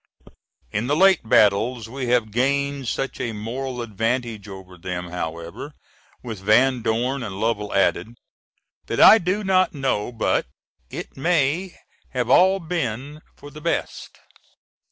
In the late battles we have gained such a moral advantage over them however, with Van Dorn and Lovell added, that I do not know but it may have all been for the best.